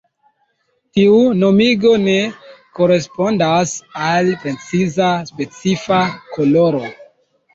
Tiu nomigo ne korespondas al preciza specifa koloro.